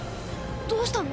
どうしたの？